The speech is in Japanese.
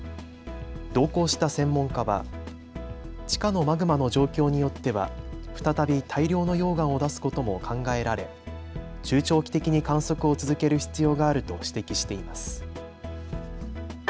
同行した専門家は地下のマグマの状況によっては再び大量の溶岩を出すことも考えられ中長期的に観測を続ける必要があると指摘しています。